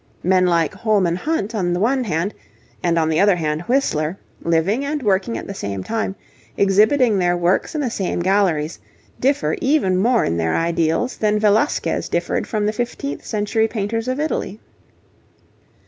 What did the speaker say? Men like Holman Hunt, on the one hand, and on the other hand Whistler, living and working at the same time, exhibiting their works in the same galleries, differ even more in their ideals than Velasquez differed from the fifteenth century painters of Italy.